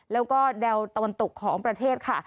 แล้วก็แนวตะวันตกของประเทศค่ะ